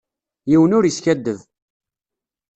Yiwen ur iskadeb.